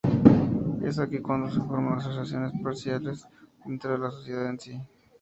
Es aquí cuando se forma asociaciones parciales dentro de la sociedad en sí.